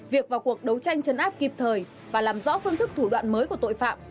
việc vào cuộc đấu tranh chấn áp kịp thời và làm rõ phương thức thủ đoạn mới của tội phạm